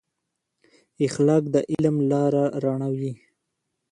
اخلاق د علم لار رڼوي.